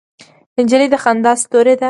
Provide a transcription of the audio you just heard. نجلۍ د خندا ستورې ده.